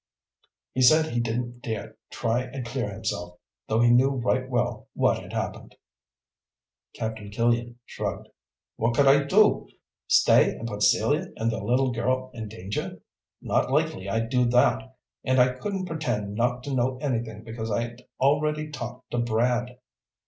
He said he didn't dare try and clear himself, though he knew right well what had happened." Captain Killian shrugged. "What could I do? Stay and put Celia and their little girl in danger? Not likely I'd do that! And I couldn't pretend not to know anything because I'd already talked to Brad."